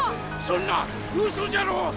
そんなうそじゃろ！